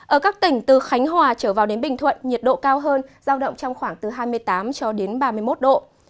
ở các tỉnh từ khánh hòa trở vào đến bình thuận nhiệt độ cao hơn giao động trong khoảng từ hai mươi tám cho đến ba mươi một độ